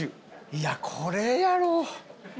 いやこれやろ！